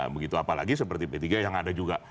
begitu apalagi seperti p tiga yang ada juga